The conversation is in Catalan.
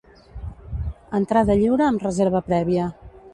Entrada lliure amb reserva prèvia.